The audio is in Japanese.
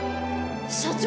社長！？